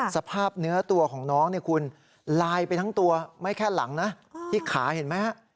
สภาพเนื้อตัวของน้องลายไปทั้งตัวไม่แค่หลังที่ขาเห็นไหม